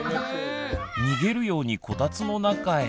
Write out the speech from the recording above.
逃げるようにこたつの中へ。